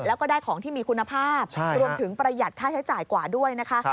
แล้วก็ได้ของที่มีคุณภาพรวมถึงประหยัดค่าใช้จ่ายกว่าด้วยนะคะ